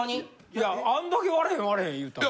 いやあんだけ割れへん割れへん言うたら。